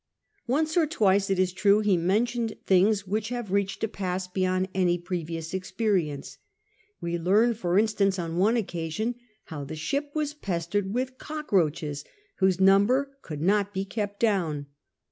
Once or twice, it is tine, he mentioned things which have reached a pass beyond any previous experience. We learn, for instance, on one occasion how the ship was pestered with cock roaches, whose numbers could not be kept down.